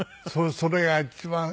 それが一番。